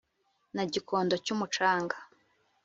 Na Gikondo cy'umucanga